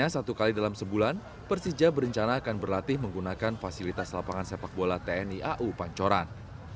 hanya satu kali dalam sebulan persija berencana akan berlatih menggunakan fasilitas lapangan sepak bola tni au pancoran